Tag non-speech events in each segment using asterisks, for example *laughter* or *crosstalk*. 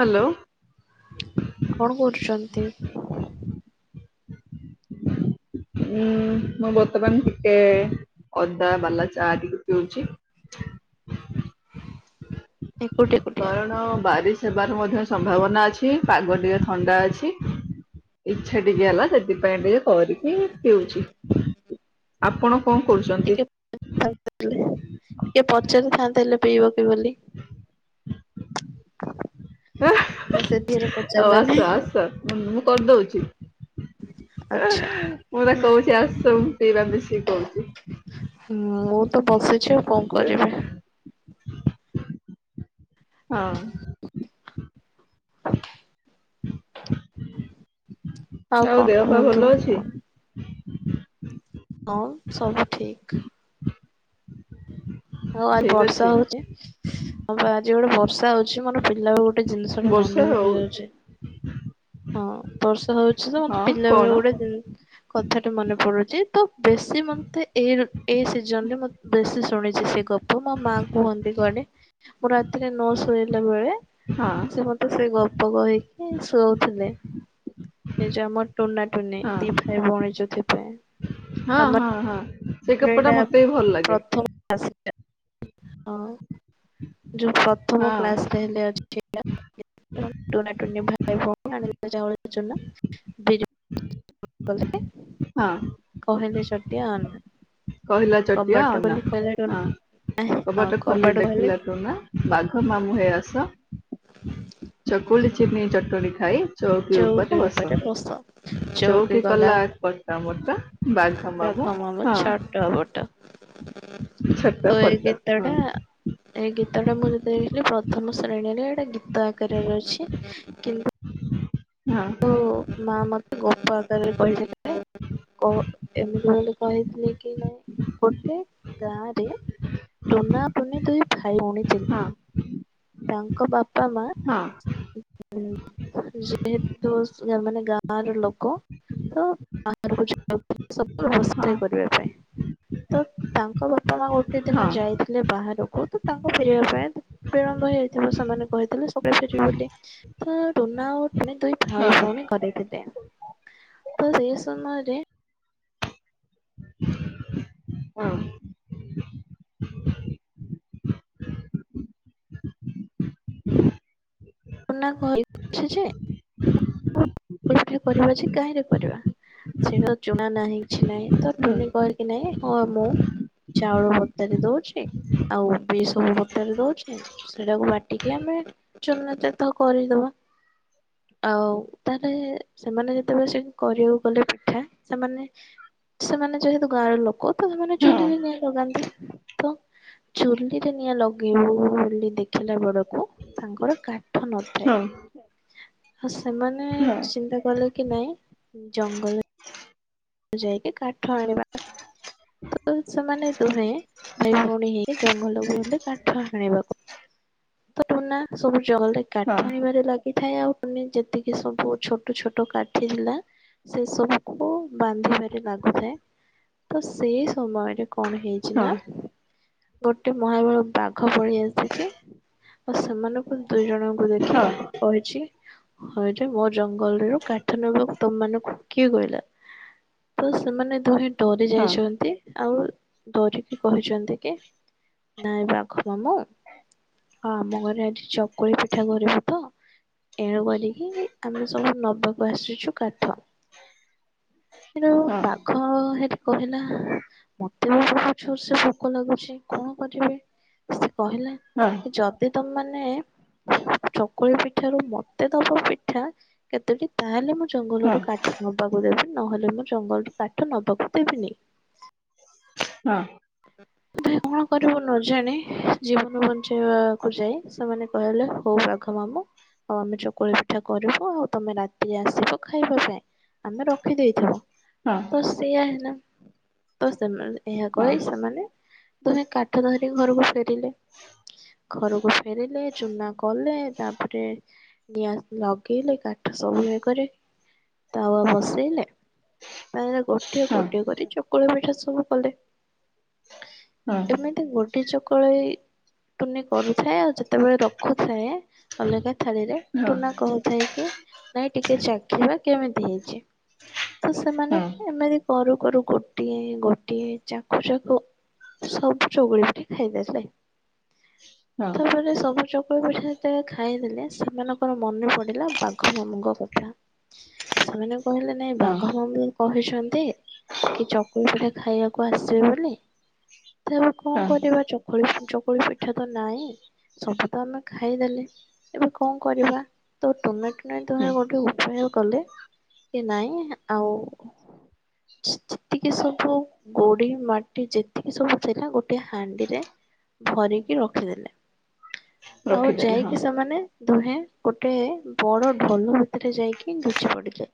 Hello. କଣ କରୁଛନ୍ତି ଉଁ ମୁଁ ବର୍ତ୍ତମାନ ଟିକେ ଅଦା ବାଲା ଚା ଆଦି ପିଉଛି। ଏକୁଟିଆ ଏକୁଟିଆ କାରଣ ବାରିଶ ହେବାର ମଧ୍ୟ ସମ୍ଭାବନା ଅଛି ପାଗ ଟିକେ ଥଣ୍ଡା ଅଛି ଇଚ୍ଛା ଟିକେ ହେଲା ସେଥିପାଇଁ ଟିକେ କରିକି ପିଉଛି। ଆପଣ କଣ କରୁଛନ୍ତି? ଟିକେ ଟିକେ ପଚାରିଥାନ୍ତେ ହେଲେ। ପିଇବ କି ବୋଲି ନା ସେଥିରେ ଆଉ ପଚାରିଲାନି ଆସ ଆସ ମୁ ମୁଁ କରିଦଉଛି। ଆଚ୍ଛା ମୁଁ ତା କହୁଛି ଆସ ମୁ ପିଇବା ମିଶିକି କହୁଛି। ମୁଁ ତ ବସିଛ। କଣ କରିବି? *inaudible* ଆଉ କଣ ଦେହ ବା କୁହନ୍ତୁ ଭଲ ଅଛି। *inaudible* ହଁ ସବୁ ଠିକ। ହଉ ଆଜି ଠିକ ବର୍ଷା ଅଛି ହଉଛି ଆ ଆଜି ଗୋଟେ। ସଉର ମୋର ପିଲା ବି ଗୋଟେ ଜିନିଷ ଟା ବର୍ଷା ମନେ ହଉ ପଡି ଯାଉଛି ହଁ ବର୍ଷା ହଉଛି ତ ହଁ ମୋତେ ପିଲା ବି କଣ? ଗୋଟେ କଥାଟ ମନେ ପଡୁଛି। ସେ ତ ବେଶୀ ମତେ ଏଇ ଏଇ ସିଜନରେେ ବେଶୀ ସେ ସେ ଗପ୍ ଗ ମାୋ ମା କୁହନ୍ତି କଣ ମୁଁ ରାତିରେ ନ ଶୋଇଲା ବେଳେ ହଁ ସେ ମତେ ସେ ଗପ କହିକି? ଶଉଥିଲେ। ନିଜ ଆମର ଟୁନା ଟୁନେ ହଁ ଦି ଭାଇ ଭଉଣୀ ଯୋଉ ଥିବେ ଆମ। ସେଇ କପଡା ଏଇଟା ମତେ ବି ଭଲ ଲାଗେ। ପ୍ରଥମ ହଁ। ଯୋଉ ପ୍ରଥମ ହଁ। କ୍ଲାସ ରେ ହେଲେ ଅଛି। ହଁ *unintelligible* *inaudible* ଅନା କହିଲା ଚଟିଆ କବାଟ ଅନା ଖୋଲି କହିଲା ହଁ। ଟୁନା କବାଟ ଖୋଲି ଦେଖିଲା ଟୁନା ବାଘ ମାମୁ ହେଇ ଆସ ଚକୁଲି ଚିଟନି ଚଟଣି ଖାଇ ଚଉକି ଉପରେ ବସ। ଚଉକି କଲା କଟ ମଟ ବାଘ ମାମୁଁ ହଁ। ଟ। ଛୋଟ ତ ଏଇ ପଟ ଗୀତ ହଁ ଟା ଏଇ ଗୀତ ଟା ମୁଁ ଯେତେବେଳେ ଥିଲି ପ୍ରଥମ ଶ୍ରେଣୀରେ ଏଇଟା ଗୀ ଦୟା କରିବାର ଅଛି କିନ୍ତୁ ହଁ। ମା ମତେ ଗପ ଆକାରରେ କହିଦେଲେ କ ଏମିତି ବୋଲି କହିଥିଲେ କି ନାଇଁ ଗୋଟେ ଗାଁରେ ଟୁନା ଟୁନି ଦୁଇ ଭାଇ ଭୋଉଣୀ ହଁ। ତାଙ୍କ ବା ହଁ। *inaudible* ମାନେ ଗାଁ ର ଲୋକ ତ ବାହାରକୁ ଯାଇପାରି ହଁ *unintelligible* କରିବା ପାଇଁ। ତ ତାଙ୍କ ବା ପା ମା ଗୋଟେ ହଁ ହଁ ଦିନ ଯାଇଥିଲେ ବାହାରକୁ କହୁ ତୁ ତାଙ୍କ ଫେରିବା ପାଇଁ ବିଳମ୍ବ ହେଇଯାଇଥିବ ସେମାନେ କହିଥିଲେ ସକାଳୁ ଫେରିବେ ବୋଲି। ତ ଟୁନା ଓ ଟୁନି ଦୁଇ ହଁ ହଁ ହଁ ହଁ ହଁ ଭାଇ ଭଉଣୀ କରେଇ ଦେଲେ । ତ ସେ ସମୟରେ ହଁ। ନା-କହିଛି ଯେ ଅପେକ୍ଷା କରିବା ଯେ କାହିଁରେ କରିବା ସେଇଟା ଚୁଣା ନାହିଁ। କିଛି ନାଇଁ ତ ଟୁନି କହିକି ନାହିଁ ହଁ ମୁଁ ଚାଉଳ ଭତାରେ ଦଉଛି ଆଉ ଓବିସବୁ ଭତାରେ ଦଉଛି ସେଟାକୁ ବାଟିକି ଆମେ ଚୁନ ତ କରିଦବା ଆଉ ତା ହେଲେ ସେମାନେ ଯେତେବେଳେ ସେ କରିବାକୁ ଗଲେ ପିଠା ସେମାନେ ସେମାନେ ଯେହେତୁ ଗାଁର ଲୋକ ତ ସେମାନେ ଚୁଲିରେ ନିଆଁ ଲଗାନ୍ତି ତ ଚୁଲିରେ ନିଆଁ ଲଗେଇବୁ ବୋଲି ଦେଖିଲା ବେଳକୁ ତାଙ୍କର କା ହଁ। *unintelligible* ସେମାନେ ଚିନ୍ତା କଲେ କି ନାଇଁ ଜଙ୍ଗଲ ଯାଇକି କାଠ ଆଣିବା ତ ସେମାନେ ଦୁହେଁ ଭାଇ ଭଉଣୀ ହେଇକି ଜଙ୍ଗଲକୁ ଗଲେ କାଠ ହାଣିବାକୁ ତ ଟୁନା ସବୁ ଜଙ୍ଗଲ ରେ କାଠ ହାଣିବାରେ ଲା ହୋଇ ଥାଏ ଆଉ କୁନି ଯେତିକି ସବୁ ଛୋଟ ଛୋଟ କାଠି ଥିଲା ସେ ସବୁକୁୁ ବାନ୍ଧିବାରେ ଲାଗୁଥାଏ ତ ସେଇ ସମୟରେ କଣ ହେଇଛି ନା ଗୋଟେ ମହାବଳ ବାଘ ପଳି ଆସିଛି ଆଉ ସେମାନଙ୍କୁ। ଦୁଇ ଜଣଙ୍କୁ ହଁ ହଁ ହଁ ହଁ ଦେଖି ହଁ କହିଛି ହଇ ରେ ମୋ ଜଙ୍ଗଲ ରୁ କାଠ ନବା କୁ ତମ ମାନଙ୍କୁ କିଏ କହିଲା? ତ ସେମାନେ ଦୁହେଁ ଡରି ହଁ ଯାଇଛନ୍ତି। ଆଉ ଡରିକି କହିଛନ୍ତି କି ନାଇଁ ବାଘ ମାମୁଁ ହ ଆମ ଘରେ ଆଜି ଚକୁଳି ପିଠା କରିବୁ ତ ଏଣୁ କରିକି ଆମେ ସବୁ ନବାକୁ ଆସିଛୁ କାଠ। ପାଘ ହେଇ କହିଲା ମତେ ବି ବହୁତ ଜୋର ସେ ଭୋକ ଲାଗୁଛି କଣ କରିବି? କହିଲା ଯଦି ତ ମାନେ ଚକୁଳି ପିଠା ରୁ ମତେ ଦବ ପିଠା କେତୋଟି ତାହେଲେ ମୁ ଜଙ୍ଗଲରୁ କାଠ ନବାକୁ ଦେବି। ନହେଲେ ମୁଁ ଜଙ୍ଗଲରୁ କାଠ ନବାକୁ ଦେବିନି? ହଁ। ତ କଣ କରିବୁ ନଜାଣେ ଜୀବନ ବଞ୍ଚେଇବାକୁ ଯାଇ ସେମାନେ କହିଲ ହଉ ବାଘ ମାମୁ ଆଉ ଆମେ ଚକୁଳି ପିଠା କରିବୁ ଆଉ ତମେ ରାତିରେ ଆସିବ ଖାଇବା ପାଇଁ ଆମେ ରଖି ଦେଇଥିବୁ। ତ ସେ ଆ ହେ ଲା। ତ ସେମାନେ କହି ସେମାନେ ଦୁହେଁ କାଠ ଧରି ଘରକୁ ଫେରିଲେ ଘରକୁ ଫେରିଲେ ଚୁନା କଲେ ତାପରେ ନିଆ ଲଗେଇଲେ କାଠ ସବୁ ରେ ତାୱଆ ବସେଇଲେ ତା ଗୋଟିଏ ଗୋଟିଏ କରି ଚକୁଳି ପିଠା ସବୁ କଲେ । ଏମିତି ଗୋଟେ ଚକୁଳାଇ ଟୁନି କରୁଥାଏ ଆଉ ଯେତେବେଳେ ରଖୁଥାଏ ଅଲଗା ଥାଳିରେ ହଁ ହଁ ଟୁନା କହୁଥାଏ କି ନାଇଁ ଟିକେ ଚାଖିବା କେମିତି ହେଇଛି ତ ସେମାନେ ହଁ ଏମିତି କରୁ କରୁ ଗୋଟିଏ ଗୋଟିଏ ଚାଖୁ ଚାକୁ ସବୁ ଚଗୁଳି ପିଠା ଖାଇଦେଲେ। ହଁ ତାପରେ ସବୁ ଚକୁଳି ପିଠା ତେବେଳେ ଖାଇଦେଲେ ସେମାନଙ୍କର ମନେ ପଡିଲା ବାଘ ମାମୁଙ୍କ କଥା ସେମାନେ କହିଲେ ନାଇଁ ହଁ ବାଘ ମାମୁ କହିଛନ୍ତି କି ଚକୁଳି ପିଠା ଖାଇବାକୁ। କୁ ଆସିବେ ବୋଲି ତ ଏବେ କଣ ହଁ କରିବା ଚକୁଳି ଚକୁଳି ପିଠା ତ ନାଇଁ ସବୁ ତ ଆମେ ଖାଇଦେଲେ ଏବେ କଣ କରିବା ତ ଟୁନା ଟୁନେ ଦୁହଁ ହୁଁ ତ ଗୋଟେ ଉପାୟ କଲେ କି ନାଇଁ ଆଉ ଯେତିକି ସବୁ ଗୋଡି ମାଟି ଯେତିକି ସବୁ ଥିଲା ଗୋଟେ ହାଣ୍ଡିରେ ଭରିକି ରଖିଦେଲେ। ଆଉ ରଖିଦେଲି ହଁ ଯାଇକି ସେମାନେ ଦୁହେଁ ଗୋଟେ ବଡ ଢୋଲ ଭିତରେ ଯାଇକି ଲୁଚି ପଡିଲେ।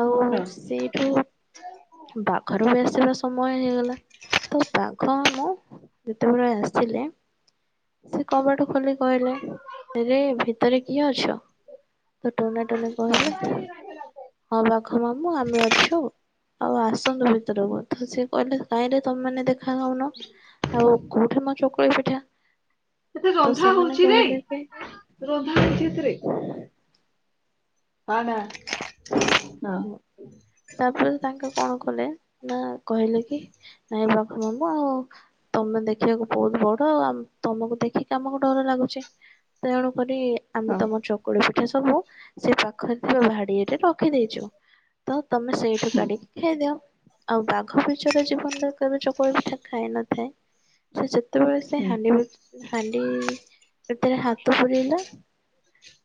ଆଉ ହଁ ସେଇଠୁ ବାଙ୍ଘର ମେସ ସେଟା ସମୟ ହେଇଗଲା ତ ବାଘ ମାମୁଁ ଯେତେବେଳେ ଆସିଲେ ସେ କବାଟ ଖୋଲି କହିଲେରେ ଭିତରେ କିଏ ଅଛ ତ ଟୁନା ଟୁନି କହିଲେ ହଁ। ହଁ ବାଘ ମାମୁଁ ଆମେ ଅଛୁ ଆଉ ଆସନ୍ତୁ ଭିତରକୁ। ତ ସେ କହିଲେ କାଇଁଲେ ତମେ ଦେଖା ହଉନ ଆଉ କୋଉଠି ମୋ ଚକୁଳି ପିଠା? ତ ରନ୍ଧା ସେମାନେ ହଉଛି କହିଲେ କି ରନ୍ଧା ହେଇଛି ସେଥିରେ। ହମା। ତାପରେ ତାଙ୍କ କଣ କଲେ? ନା କହିଲେ କି ନାଇଁ *unintelligible* ଆଉ ତମେ ଦେଖିବାକୁ ବହୁତ ବଡ ଆଉ ତମକୁ ଦେଖିକି ଆାମକୁ ଡର ଲାଗୁଛି ତେଣୁ *unintelligible* ଆମେ ହଁ ତମ ଚକ ଏଥି ସବୁ ସେ ପାଖରେ ଥିବା ଭାଡିରେ। ରଖିଦେଇଚୁ। ତ ତମେ ସେଇଠୁ ହୁଁ କାଢିକି ଖାଇଦିଅ। ଆଉ ବାଘ ବିଚରା ଜୀବନରେ କେବେ ଚକୁଳି ପିଠା ଖାଇ ନଥାଏ ସେ ଯୋ *unintelligible* ସେ ହୁଁ ହାଣ୍ଡି ହାଣ୍ଡି *unintelligible* *unintelligible*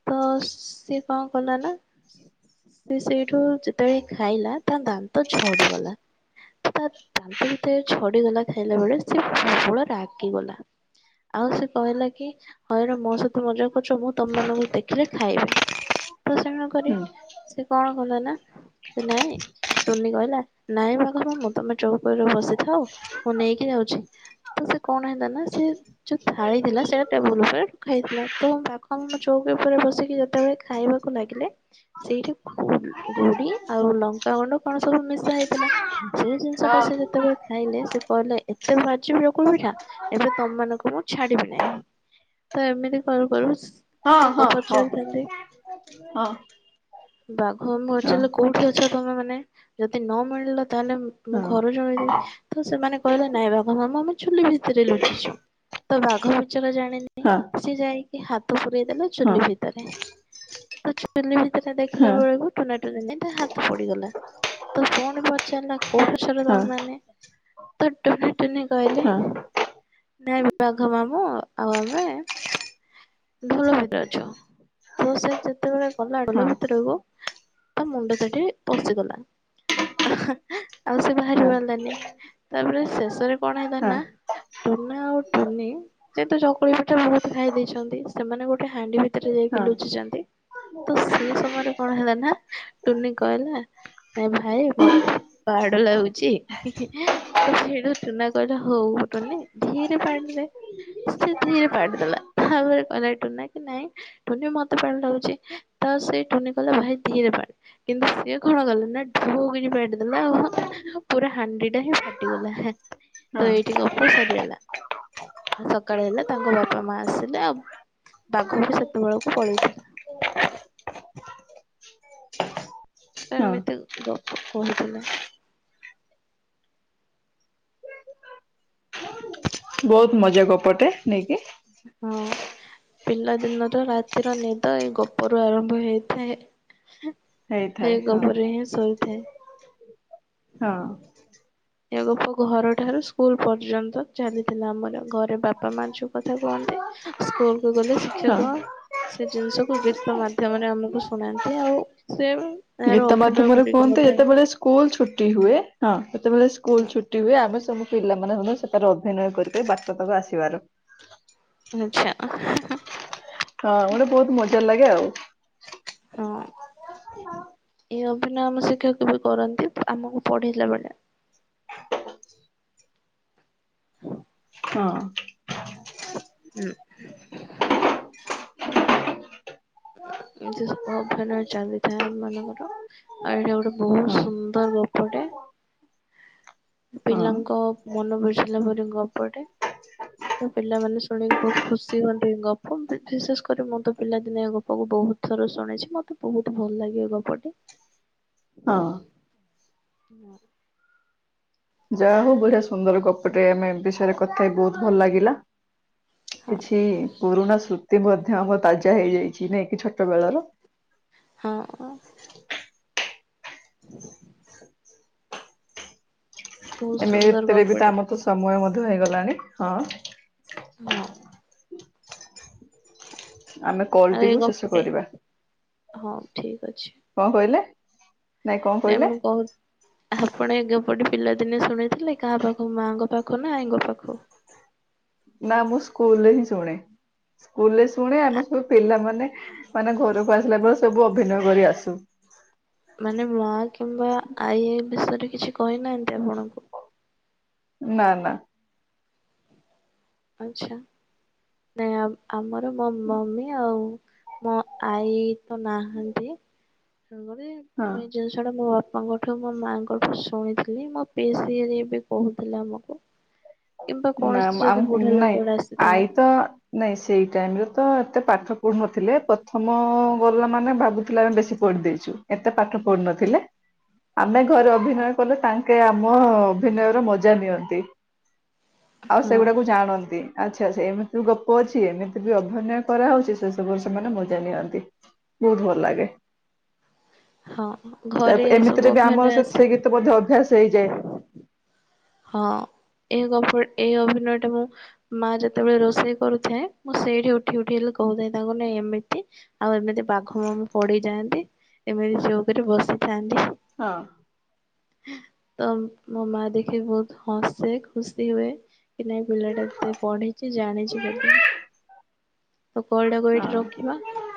ତ ସିଏ କଣ କଲା ନା? ସେ ସେଇଠୁ ଯେତେବେଳେ ଖାଇଲା ତା ଦାନ୍ତ ଝଡିଗଲା । ତା ଦାନ୍ତ ଯେତେବେଳେ ଝଡିଗଲା ଖାଇଲା ବେଳେ ସେ ପ୍ରବଳ ରାଗିଗଲା। ଆଉ ସେ କହିଲା କି ହଇର ମୋ ସହିତ ମଜା କରୁଛ ମୁଁ ତମମାନଙ୍କୁ ଦେଖିଲେ ଖାଇବି। ପ୍ରସାରଣ କରେ ହୁଁ ସେ କଣ କଲା ନା ନାଇଁ ଟୁନି କହିଲା ନାଇଁ ବାଘ ମାମୁଁ ତମେ ଚଉପରେ ବସିଥାଅ ମୁଁ ନେଇକି ଯାଉଛି ତ ସେ କଣ ହେଲା ନା ସେ ଯୋଉ ଥାଳି ଥିଲା ସେଟା ଟେବୁଲ ଉପରେ ରଖା ହେଇଥିଲା ତ ବାଘମାମୁଁ ଚୋ କି ଉପରେ ବସିକି ଯେତେବେଳେ ଖାଇବାକୁ ଲାଗିଲେ ସେଇଠି ଗୋଡି ଆଉ ଲଙ୍କା ଗୁଣ୍ଡ କଣ ସବୁ ମିଶା ହେଇଥିଲା। ସେ ଜିନିଷ ଟା ହଁ ସେ ଯେତେବେଳେ ଖାଇଲେ ସେ କହିଲେ ଏତେ ବାଜ୍ୟ ଚକୁଳି ପିଠା ଏବେ ତମମାନଙ୍କୁ ମୁଁ ଛାଡିବି ନାହିଁ ତ ଏମିତି କରୁ କରୁ ସ୍ ହଁ ହଁ ହଁ ହଁ। ବା *unintelligible* କୋଉଠି ଅଛ? ତମେ ମାନେ ଯଦି ନ ମିଳିଲ? ତାହେଲେ ମୁଁ ଘରୁ ଜଣେଇଦେବି ତ ସେମାନେ କହିଲେ ନାଇଁ ବାଘ ମାମୁଁ ଆମେ ଚୁଲି ଭିତରେ ଲୁଚିଚୁ ତ ବାଘ ମା ସେଟା ଜାଣିନି ହଁ ସେ ଯାଇ ଏ ହାତ ଫୁ ଦେଲେ ହଁ ହଁ ହଁ ହଁ। ହଁ ହଁ ଚୁଲି ହଁ ଭିତରେ। ତଛୁ ପେଲିଲେ ଅଇଛା ଦେଖିଲା ହଁ ବେଳକୁ ଟୁନା *unintelligible* ତା ହାତ ପୋଡ଼ିଗଲା ତ ପୁଣି ପଚାରିଲା କୋଉଠି ଅଛ କି ତମ ମାନେ? ତ *unintelligible* ତିନି କହିଲେ ହଁ ନାଇଁ ବାଘ ମାମୁଁ ଆଉ ଆମେ। ଢୋଲ ଭିତରେ ଅଛ ତ ସେ ଯେତେବେଳେ ଗଲା ଢୋଲ ଭିତରକୁ ତା ମୁଣ୍ଡ ତାଠି ପଶିଗଲା ଆହା ହାଁ ଆଉ ସେ ବାହାରି ପାରିଲାନି। ତାପରେ ଶେଷରେ କଣ ହେଲା ହଁ ନା ଟୁନା ଆଉ ଟୁନି ସେତ ଚକୁଳି ପିଠା ବହୁତ ଖାଇ ଦେଇଛନ୍ତି ସେମାନେ ଗୋଟେ ହାଣ୍ଡି ଭିତରେ ଯାଇକି ଲୁଚିଚନ୍ତି ତ ସେ ସମୟରେ କଣ ହେଲା ନା ଟୁନି କହିଲା ନା ଭାଇ ମତେ ପାଡ଼ ଲାଗୁଚି ଇ ହିଁ ଏଁ ତ ସେଇଠୁ ଟୁନା କହିଲା ହଉ ଟୁନି ଧୀରେ ପାଡି ଦେ ସେ ଧୀରେ ପାଡି ଦେଲା ତାପରେ କହିଲା ଟୁନା କି ନାଇଁ ଟୁନି ମତେ ପାଡ ଲାଗୁଚି ତ ସେ ଟୁନି କହିଲା ଭାଇ ଧୀରେ ପାଡ କିନ୍ତୁ ସିଏ କଣ କଲା ନା ଢ଼ୋ କିନି ପାଡି ଦେଲା ଆଉ ପୁରା ହାଣ୍ଡି ଟା ହିଁ ଫାଟିଗଲା ହାଁ ତ ହଁ ଏଇଠି ଗପ ସରିଗଲା ସକାଳ ହେଲା ତାଙ୍କ ବାପା ମା ଆସିଲେ ଆଉ। ବାଘ ବି ସେତେବେଳକୁ ପଳେଇଥିଲା। ତ ହଁ। ଏମିତି ଗପ କହିଥିଲେ। ବହୁତ ମଜା ଗପଟେ ନେଇକି ହଁ ପିଲାଦିନର ରାତିର ନିଦ ଏଇ ଗପରୁ ଆରମ୍ଭ ହେଇଥାଏ। ହେଇଥାଏ ହେଇ ହଁ ଗପରେ ହିଁ ଶୋଇଥାଏ। ହଁ। ଏପ ଘର ଠାରୁ ସ୍କୁଲ ପର୍ଯ୍ୟନ୍ତ ଚାଲିଥିଲା ଆମର ଘରେ ବାପା ମା ଛୁ କଥା କୁହନ୍ତି ସ୍କୁଲ ଗଲେ ହଁ। ଶିକ୍ଷକ ସେ ଜିନିଷକୁୁ ଗୀତ ମାଧ୍ୟମରେ ଆମକୁ ଶୁଣାନ୍ତି ଆଉ ସେ ଏହାର ଗୀତ ଅଭିନୟ ମାଧ୍ୟମରେ କରିକି କୁହନ୍ତି ମଧ୍ୟ ଆଚ୍ଛା ଯେତେବେଳେ ସ୍କୁଲ ଛୁଟି ହୁଏ ହଁ। ଯେତେବେଳେ ସ୍କୁଲ ଛୁଟି ହୁଏ ଆମେ ସମସ୍ତେ ପିଲାମାନୋନ ମଧ୍ୟ ସେଠାରେ ଅଭିନୟ କରିିକ ବାସ ତାକୁ ଆସିବାର ଆଛା। ହଁ ହଟେ ବହୁତ ମଜ ଦେର ଲାଗେ ଆଉ। ହଁ ଏଇ ଅଭିନ ଆମ ଶିକ୍ଷକ ବି କରନ୍ତି ଆମକୁ ପଢେଇଲା ବେଳେ ହଁ ହୁଁ। ଏତିବୁ ଅଭନୟ ଚାଲିଥାଏ ଆମମାନଙ୍କର ଆଉ ଏଇଟା ଗୋଟେ ହଁ ବହୁତ ସୁନ୍ଦର ଗପଟେ। ହଁ। ପିଲାଙ୍କ ମନ ବୁସିଲା ପରି ଗପଟେ ତ ପିଲାମାନୋନ ଶୁଣିକି ବହୁତ ଖୁସି ହୁଅନ୍ତି ଏ ଗପ ବିଶେଷ କରି ମୁଁ ତ ପିଲାଦିନେ ଗ ମୂଁ ବହୁତ ଥର ଶୁଣିଛି ମତେ ବହୁତ ଭଲ ଲାଗେ ଏ ଗପଟି ହଁ ହଁ। ଯାହା ହଉ ବଢିଆ ସୁନ୍ଦର ଗପଟେ ଆମେ ବିଷୟରେ କଥା ହେ ବହୁତ ଭଲ ଲାଗିଲା। ହଁ କିଛି ପୁରୁଣା ସୃ ସୃତି ମଧ୍ୟ ଆମ ତାଜା ହେଇଯାଇଛି ନାଇଁ କି ଛୋଟ ବେଳର ହଁ। *inaudible* ବହୁତ ଏମେ ସୁନ୍ଦର ଏଥିରେ ବି ତ ଗପଟେ ଆମର ତ ସମୟ ମଧ୍ୟ ହେଇଗଲାଣି ହଁ। ହଁ। ଆମେ କଲ ଆଉ ଏଇ ଟିକୁ ଶେଷ ଗପଟେ କରିବା। ହଁ ଠିକ୍। କଣ କହିଲେ? ନାଇଁ କଣ ନାଇ କହିଲେ ମୁଁ କହୁ ଆପଣ ଏ ଯୋଉ ଗୋଟେ ପିଲାଦିନେ ଶୁଣିଥିଲେ କାହା ପାଖ ମାଆଙ୍କ ପାଖକୁ ନା ଆଇଙ୍କ ପାଖ ନା ମୁଁ ସ୍କୁଲରେ ହିଁ ଶୁଣେ ସ୍କୁଲରେ ଶୁଣେ ଆମେ ସବୁ ପିଲାମାନେ ମାନେ ମାନେ ଘରକୁ ଆସିଲା ପରେ ସବୁ ଅଭିନୟ କରି ଆସୁ। ମାନେ ମାଲଖୀ କିମ୍ବା ଆଇଆଇ ବିଷୟରେ କିଛି କହିନାହାନ୍ତି ଆପଣଙ୍କୁ। ନା ନା। ଆଚ୍ଛା ନାଇଁ ଆମ୍ ଆମର ମୋ ମମି ଆଉ ମୋ ଆଈଇ। ତ ନାହାନ୍ତି। ସାଙ୍ଗ ବି ହଁ ମୁଁ ଏଇ ଜିନିଷଟା ମୋ ବାପାଙ୍କଠୁ ମୋ ମାଆଙ୍କଠୁ ଶୁଣିଥିଲି ମୋ ପିଇସୀଇ ବି କହୁଥିଲା ମତେ କିମ୍ବା ନା କୌଣସି ଯଦି। ଆମକୁ ବୁଢା ନାଇଁ ଲୋକଗୁଡା ଆସିଥିବେ ଆଇ ତ ନାଇଁ ସେଇ ଟାଇମରେ ସେତଅ ଏତେ ପାଠ ପଢୁନଥିଲେ ପ୍ରଥମଅ ଗଲା ମାନେ ଭାବୁଥିଲେ ଆମେ ବେଶୀ ପଢି ଦେଇଛୁ ଏତେ ପାଠ ପଢୁନଥିଲେ ଆମେ ଘରେ ଅଭିନୟ କଲେ ତାଙ୍କେ ଆମ୍ ମଅ ଅଭିନୟ ର ମଜା ନିଅନ୍ତି। ଆଉ ହଁ। ସେଗୁଡାକୁ ଜାଣନ୍ତି। ଆଚ୍ଛା ଆଛା ଏମିତି ବି ଗପ ଅଛି ଏମିତି ବି ଅଭିନୟ କରାହଉଚି ସେ ସବୁରଅ ସେମାନେ ମଜା ନିଅନ୍ତି ବହୁତ ଭଲ ଲାଗେ। ହଁ ଘରେ ଏ ସବୁ ତାପ୍-ଏମିତିରେ ବି ଆମର ଅଭିନୟ ସହିତ ଆସି ସେଇ ଗୀତ ମଧ୍ୟ୍ୟ ଅଭ୍ୟାସ ହେଇଯାଏ। ହଁ *unintelligible* ଏଇ ଅଭିନୟଟା ମୁଁ ମା ଯେତେବେଳେ ରୋଷେଇ କରୁଥାଏ ମୁଁ ସେଇଠି ଉଠି ଉଠି ହେଲେ କହୁଥାଏ ତାଙ୍କୁ ନାଇ ଏମିତି ଆଉ ଏମିତି ବାଘ ମାମୁଁ ପଡିଯାଆନ୍ତି ଏମିତି ଚୌକି କରି ବସିଥାନ୍ତି। ହଁ। ତ ମୋ ମା ଦେଖ୍ ସେ ବହୁତ୍ ହସେ ଖୁସି ହୁଏ। କି ନାଇଁ ପିଲାଟା ଏତେ ପଢିଚି ଜାଣିଛି ବୋଧେ ତ କଲ୍ ଟାକୁ ଏଇଠି ରଖିବା। ହଁ।